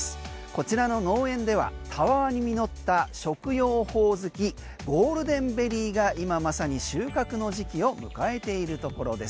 こちらの農園ではたわわに実った食用ホオズキゴールデンベリーが今まさに収穫の時期を迎えているところ。